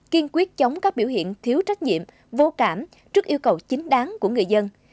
kiên quyết chống các biểu hiện thiếu trách nhiệm vô cảm trước yêu cầu chính đáng của người dân